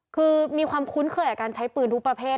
คือมีความคุ้นเคยกับการใช้ปืนทุกประเภท